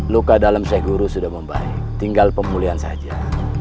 luka dalam syekh guru sudah membaik tinggal pemulihan saja